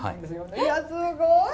いやすごい。